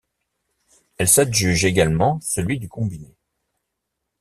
Elle s'adjuge également celui du combiné.